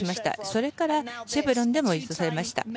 それからシェブロンでも優勝しました。